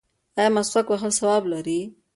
ایا مسواک وهل ثواب لري؟